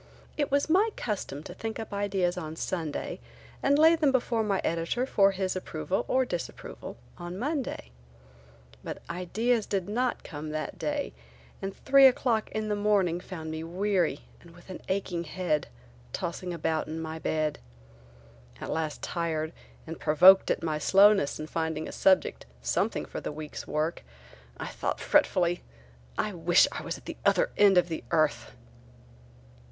It was my custom to think up ideas on Sunday and lay them before my editor for his approval or disapproval on Monday. But ideas did not come that day and three o'clock in the morning found me weary and with an aching head tossing about in my bed. At last tired and provoked at my slowness in finding a subject, something for the week's work, I thought fretfully: "I wish I was at the other end of the earth!"